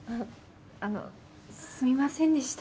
あのすみませんでした